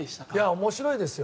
面白いですよ。